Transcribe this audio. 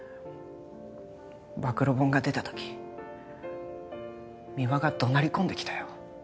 暴露本が出た時三輪が怒鳴り込んできたよ